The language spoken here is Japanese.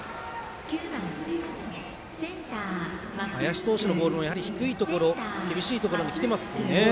林投手のボールも低いところ厳しいところにきていますね。